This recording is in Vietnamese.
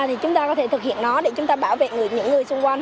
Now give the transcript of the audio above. thì chúng ta có thể thực hiện nó để chúng ta bảo vệ những người xung quanh